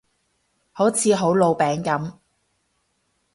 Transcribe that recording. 好似好老餅噉